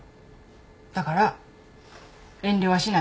だから遠慮はしない。